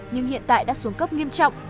nhưng hiện tại đã xuống cấp nghiêm trọng